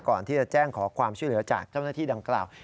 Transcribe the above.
ก่อนที่จะแจ้งขอความช่วยเหลือจากเจ้าหน้าที่ดังกล่าว